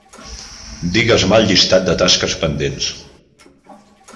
Digues-me el llistat de tasques pendents.